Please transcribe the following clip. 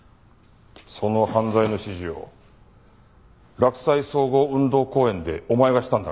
その犯罪の指示を洛西総合運動公園でお前がしたんだな？